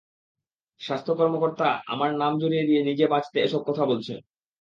স্বাস্থ্য কর্মকর্তা আমার নাম জড়িয়ে দিয়ে নিজে বাঁচতে এসব কথা বলছেন।